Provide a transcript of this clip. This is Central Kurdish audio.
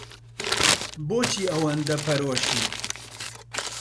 بۆچی ئەوەندە پەرۆشی؟